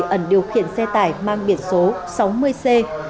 ẩn điều khiển xe tải mang biển số sáu mươi c